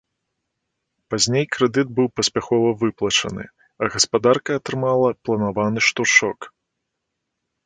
Пазней крэдыт быў паспяхова выплачаны, а гаспадарка атрымала планаваны штуршок.